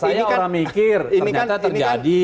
saya orang mikir ternyata terjadi